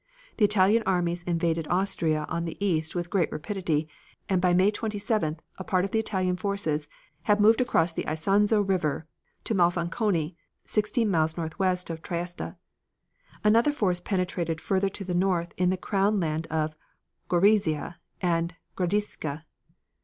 The Italian armies invaded Austria on the east with great rapidity, and by May 27th a part of the Italian forces had moved across the Isonzo River to Monfalcone, sixteen miles northwest of Trieste. Another force penetrated further to the north in the Crown land of Gorizia, and Gradisca.